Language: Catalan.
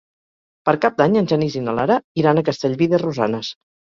Per Cap d'Any en Genís i na Lara iran a Castellví de Rosanes.